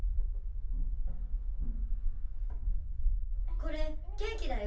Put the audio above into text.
これケーキだよ。